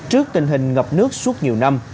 trước tình hình ngập nước suốt nhiều năm